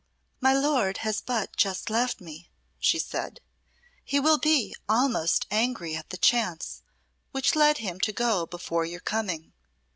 "My lord has but just left me," she said. "He will be almost angry at the chance which led him to go before your coming.